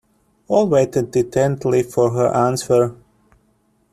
All waited intently for her answer.